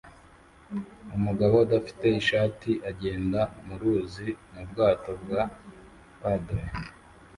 Umugabo udafite ishati agenda mu ruzi mu bwato bwa paddle